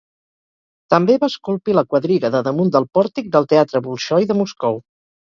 També va esculpir la quadriga de damunt del pòrtic del Teatre Bolxoi de Moscou.